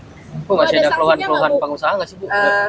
oh masih ada keluhan keluhan pengusaha nggak sih bu